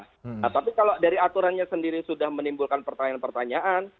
nah tapi kalau dari aturannya sendiri sudah menimbulkan pertanyaan pertanyaan